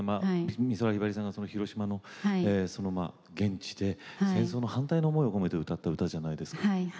美空ひばりさんが広島の現地で戦争反対の思いを込めて歌った歌じゃないですか。